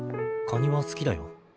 カニは好きだよ。